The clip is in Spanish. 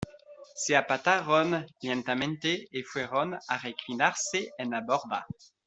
se apartaron lentamente y fueron a reclinarse en la borda.